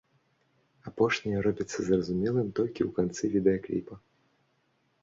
Апошняе робіцца зразумелым толькі ў канцы відэакліпа.